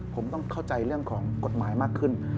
ผมต้องเข้าใจเรื่องของกฎหมายมากขึ้น